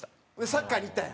サッカーにいったんや？